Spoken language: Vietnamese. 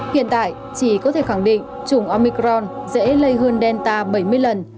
hiện tại chỉ có thể khẳng định chủng omicron dễ lây hơn delta bảy mươi lần